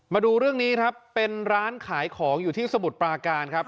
มาดูเรื่องนี้ครับเป็นร้านขายของอยู่ที่สมุทรปราการครับ